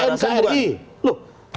anda mengajar saracen buat